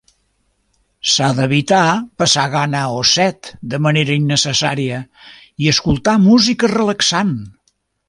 S'ha d'evitar passar gana o set de manera innecessària, i escoltar música relaxant.